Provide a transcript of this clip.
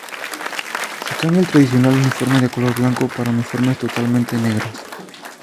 Se cambia el tradicional uniforme de color blanco, para uniformes totalmente negros.